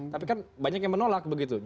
tapi kan banyak yang menolak begitu